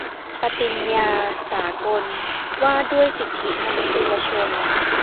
ปฏิญญาสากลว่าด้วยสิทธิมนุษยชน